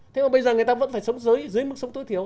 thế mà bây giờ người ta vẫn phải sống giới dưới mức sống tối thiểu